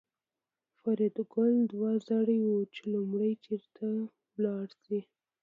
فریدګل دوه زړی و چې لومړی چېرته لاړ شي